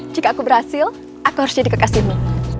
jika aku berhasil aku harus jadi kekasihmu